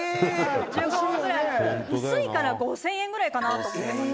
「薄いから５０００円ぐらいかなと思ってますね」